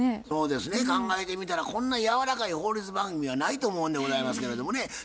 そうですね考えてみたらこんなやわらかい法律番組はないと思うんでございますけれどもね。